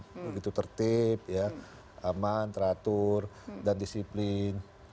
begitu tertib aman teratur dan disiplin